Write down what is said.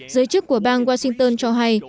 giới chức của bang washington cho hay